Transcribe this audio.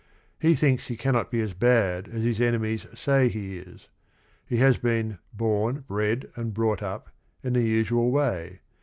He thinks he cannot be as bad as his enemies say he is. He has been "born, bred, and brought up" in the usual way.